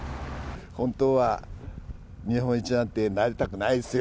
本当は日本一なんてなりたくないですよ。